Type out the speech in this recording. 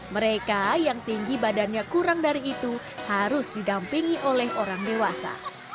mereka yang tinggi badannya kurang dari itu harus didampingi oleh orang dewasa